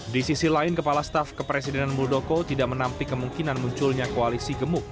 di sisi lain kepala staf kepresidenan muldoko tidak menampik kemungkinan munculnya koalisi gemuk